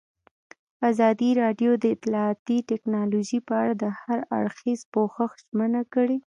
ازادي راډیو د اطلاعاتی تکنالوژي په اړه د هر اړخیز پوښښ ژمنه کړې.